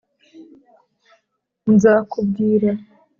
nzakubwira